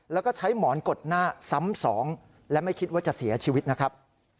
แล้วก็ใช้หมอนกดหน้าซ้ำสองและไม่คิดว่าจะเสียชีวิตนะครับ